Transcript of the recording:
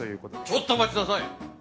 ちょっと待ちなさい。